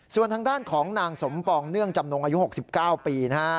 ส่วนทางด้านของนางสมปองเนื่องจำนงอายุ๖๙ปีนะฮะ